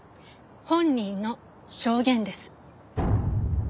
本人の証言です。